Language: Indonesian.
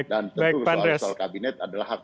dan tentu soal kabinet adalah hak